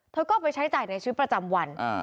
เธอก็เอาไปใช้จ่ายในชีวิตประจำวัน